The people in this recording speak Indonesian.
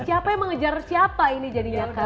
siapa yang mengejar siapa ini jadinya